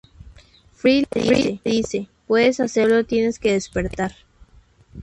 Fry le dice ""puedes hacerlo, solo tienes que despertar"".